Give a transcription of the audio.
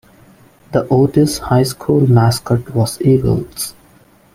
The Otis High School mascot was Eagles.